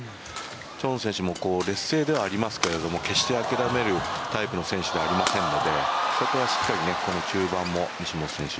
チョン選手も劣勢ではありますけれども決して諦めるタイプの選手ではありませんのでそこはしっかり終盤も西本選手